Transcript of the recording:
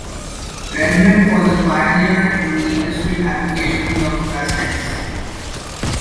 Redman was a pioneer in the industrial applications of plastics.